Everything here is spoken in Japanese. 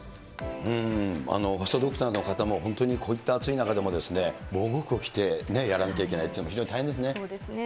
ファストドクターの方も、本当にこういった暑い中でも防護服を着てやらなきゃいけないといそうですね。